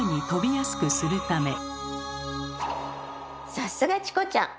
さすがチコちゃん！